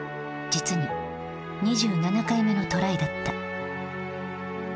実に２７回目のトライだった。